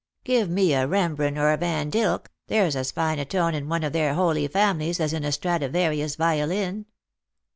Give me a Bembren, or a Vandilk; there's as fine a tone in one of their Holy Families as in a Stra divarius violin."